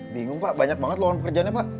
bingung pak banyak banget lawan pekerjaannya pak